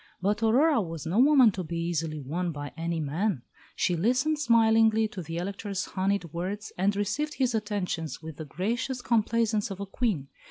But Aurora was no woman to be easily won by any man. She listened smilingly to the Elector's honeyed words, and received his attentions with the gracious complaisance of a Queen.